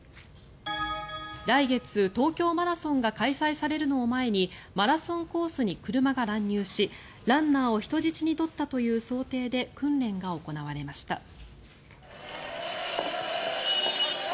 来月、東京マラソンが開催されるのを前にマラソンコースに車が乱入しランナーを人質に取ったという想定で訓練が行われました。